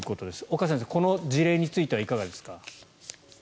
岡先生、この事例についてはいかがですか？